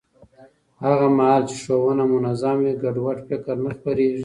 هغه مهال چې ښوونه منظم وي، ګډوډ فکر نه خپرېږي.